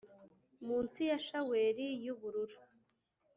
munsi ya shaweli yubururu